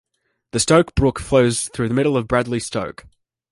The Stoke Brook flows through the middle of Bradley Stoke.